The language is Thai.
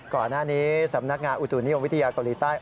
ก่อนหน้านี้สำนักงานอุทูนิยมวิทยากรีต้าย